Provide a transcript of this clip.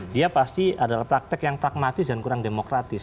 dia pasti adalah praktek yang pragmatis dan kurang demokratis